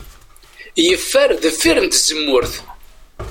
Yeffer deffir n tzemmurt.